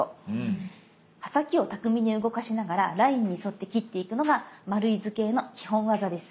刃先を巧みに動かしながらラインに沿って切っていくのが丸い図形の基本技です。